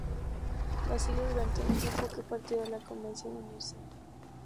Vaciló durante un tiempo a que partido de la Convención unirse.